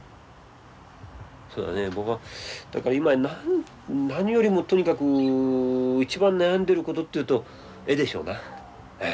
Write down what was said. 僕がだから今何よりもとにかく一番悩んでることっていうと絵でしょうな。